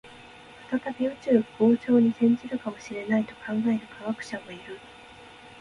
再び宇宙が膨張に転じるかもしれないと考える科学者もいる